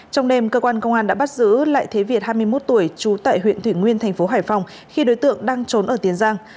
trong đêm cơ quan công an đã bắt giữ lại thế việt hai mươi một tuổi trú tại huyện thủy nguyên thành phố hải phòng khi đối tượng đang trốn ở tiến giang